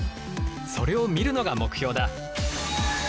それを見るのが目標だ。